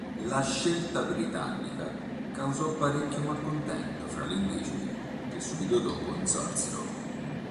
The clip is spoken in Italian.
La scelta britannica causò parecchio malcontento fra gli indigeni, che subito dopo insorsero.